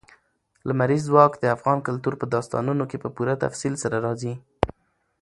لمریز ځواک د افغان کلتور په داستانونو کې په پوره تفصیل سره راځي.